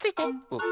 うん。